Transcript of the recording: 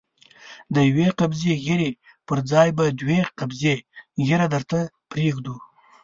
د يوې قبضې ږيرې پر ځای به دوې قبضې ږيره درته پرېږدو.